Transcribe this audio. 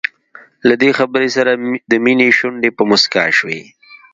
له دې خبرې سره د مينې شونډې په مسکا شوې.